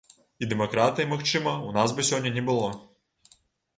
І дэмакратыі, магчыма, у нас бы сёння не было.